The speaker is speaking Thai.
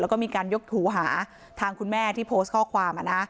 แล้วก็มีการยกถูหาทางคุณแม่ที่โพสต์ข้อความ